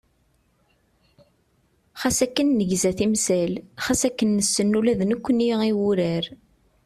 Xas akken negza timsal, xas akken nessen ula d nekkni i wurar.